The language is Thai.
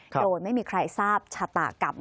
โดยไม่มีใครทราบชะตากรรม